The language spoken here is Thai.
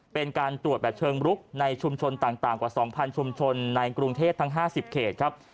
เป็นการตรวจแบบเชิงรุกในชุมชนต่างกว่า๒๐๐ชุมชนในกรุงเทพทั้ง๕๐เขตครับ